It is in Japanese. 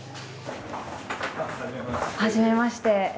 はじめまして。